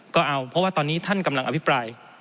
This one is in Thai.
ก็เอาเพราะว่าตอนนี้ท่านกำลังอภิปราย